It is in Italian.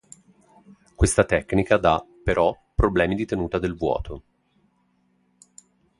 Questa tecnica dà però problemi di tenuta del vuoto.